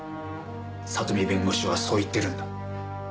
里見弁護士はそう言ってるんだ。